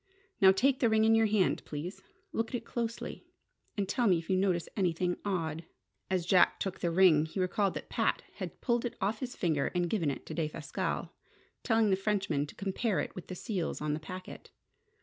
Now take the ring in your hand, please. Look at it closely, and tell me if you notice anything odd." As Jack took the ring, he recalled that Pat had pulled it off his finger and given it to Defasquelle, telling the Frenchman to compare it with the seals on the packet.